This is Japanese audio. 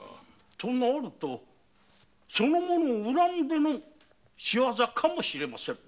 となるとその者を恨んでの仕業かもしれませぬな。